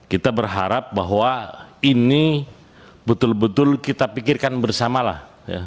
kita berharap bahwa ini betul betul kita pikirkan bersamalah